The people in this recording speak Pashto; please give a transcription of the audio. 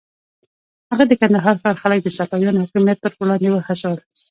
هغه د کندهار ښار خلک د صفویانو حاکمیت پر وړاندې وهڅول.